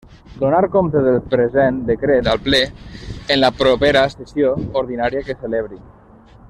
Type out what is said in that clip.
Donar compte del present decret al Ple, en la propera sessió ordinària que celebri.